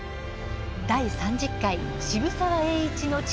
第３０回「渋沢栄一の父」。